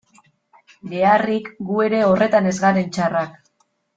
Beharrik, gu ere horretan ez garen txarrak...